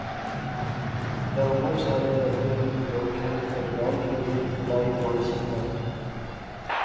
تہ او بہوں سارے ٹبریں، لوکیں تہ گرائیں کی وی ملائی جوڑی سکنا